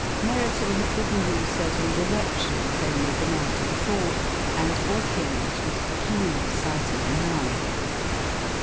Merriton had given him certain directions only the night before, and Borkins was a keen sighted man.